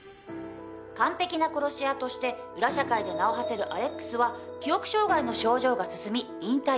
完璧な殺し屋として裏社会で名をはせるアレックスは記憶障害の症状が進み引退を決意。